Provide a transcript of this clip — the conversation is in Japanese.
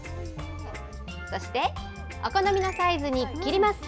そしてお好みのサイズに切ります。